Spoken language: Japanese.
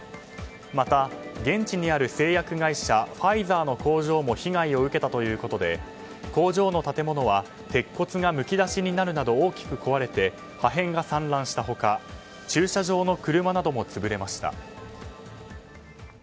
また、現地にある製薬会社ファイザーの工場も被害を受けたということで工場の建物は鉄骨がむき出しになるなど大きく壊れて破片が散乱した他駐車場の車なども潰れました。